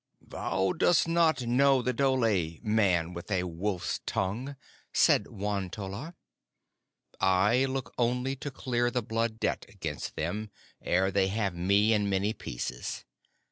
"Thou dost not know the dhole, man with a wolf's tongue," said Won tolla. "I look only to clear the Blood Debt against them ere they have me in many pieces.